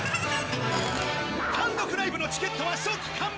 単独ライブのチケットは即完売。